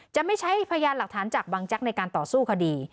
จะไม่ใช้พยานหลักฐานจากบางแจ๊กในการต่อสู้คดี